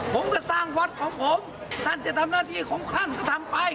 ผมก็สร้างวัดของผมท่านจะทำหน้าที่ของท่านก็ทำไป